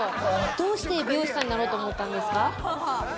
どうして美容師さんになろうと思ったんですか？